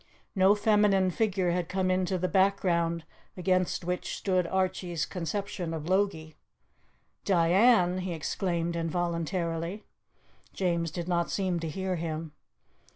No feminine figure had come into the background against which stood Archie's conception of Logie. "Diane?" he exclaimed involuntarily. James did not seem to hear him.